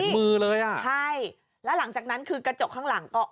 มือเลยอ่ะใช่แล้วหลังจากนั้นคือกระจกข้างหลังก็